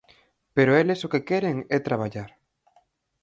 Pero eles o que queren é traballar.